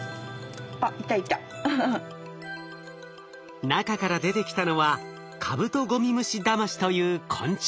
中から出てきたのはカブトゴミムシダマシという昆虫。